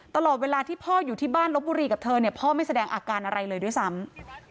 ตลอดเวลาที่พ่ออยู่ที่บ้านลบบุรีกับเธอเนี่ยพ่อไม่แสดงอาการอะไรเลยด้วยซ้ำ